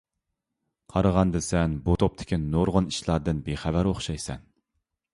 قارىغاندا سەن بۇ توپتىكى نۇرغۇن ئىشلاردىن بىخەۋەر ئوخشايسەن.